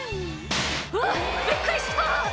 「うわびっくりした！」